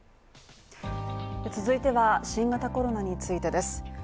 続いては、新型コロナについてです。